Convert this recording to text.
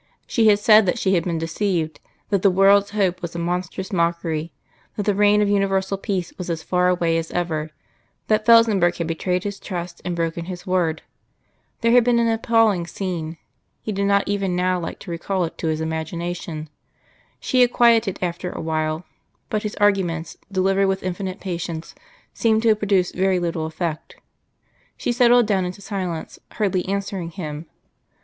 She had said that she had been deceived; that the world's hope was a monstrous mockery; that the reign of universal peace was as far away as ever; that Felsenburgh had betrayed his trust and broken his word. There had been an appalling scene. He did not even now like to recall it to his imagination. She had quieted after a while, but his arguments, delivered with infinite patience, seemed to produce very little effect. She settled down into silence, hardly answering him.